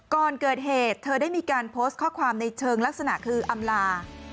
ก่อนเกิดเหตุเธอได้มีการโพสต์ข้อความในเชิงลักษณะคืออำลา